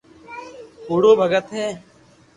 ڪوڙو ڀگت ھي